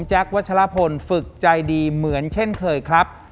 วัชลพลฝึกใจดีเหมือนเช่นเคยครับ